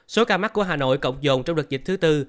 số ca mắc của hà nội cộng dồn trong đợt dịch thứ tư